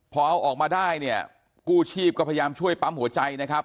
พอเอาออกมาได้เนี่ยกู้ชีพก็พยายามช่วยปั๊มหัวใจนะครับ